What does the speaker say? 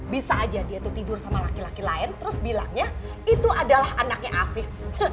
bisa aja dia tuh tidur sama laki laki lain terus bilangnya itu adalah anaknya afif